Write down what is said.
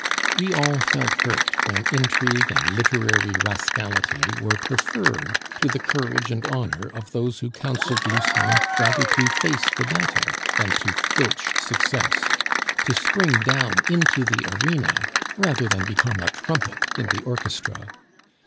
We all felt hurt when intrigue and literary rascality were preferred to the courage and honor of those who counseled Lucien rather to face the battle than to filch success, to spring down into the arena rather than become a trumpet in the orchestra.